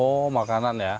oh makanan ya